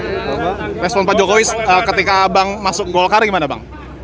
respon pak jokowi ketika abang masuk golkar gimana bang